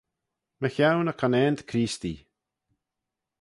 Mychione y conaant Creestee.